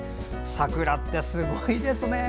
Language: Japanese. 桜ってすごいですね。